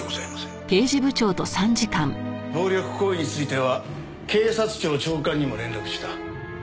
暴力行為については警察庁長官にも連絡した。